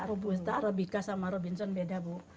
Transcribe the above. robusta rabika sama robinson beda bu